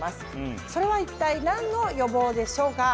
それは一体何の予防でしょうか？